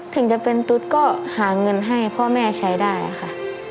ถึงจะเป็นตุ๊ดก็หาเงินให้พ่อแม่ใช้ได้ค่ะ